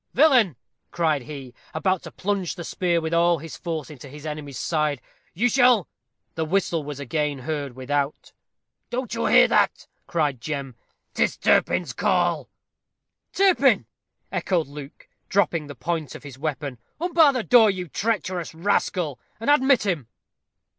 "Villain!" cried he, about to plunge the spear with all his force into his enemy's side, "you shall " The whistle was again heard without. "Don't you hear that?" cried Jem: "'Tis Turpin's call." "Turpin!" echoed Luke, dropping the point of his weapon. "Unbar the door, you treacherous rascal, and admit him."